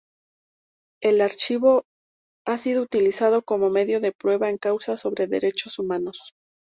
El archivo ha sido utilizado como medio de prueba en causas sobre derechos humanos.